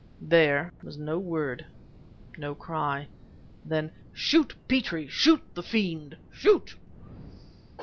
There was no word, no cry. Then: "Shoot, Petrie! Shoot the fiend! Shoot..."